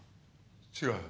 違う。